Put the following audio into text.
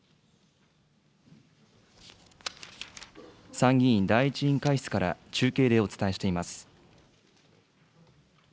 参議院第１委員会室から中継でお伝えしています。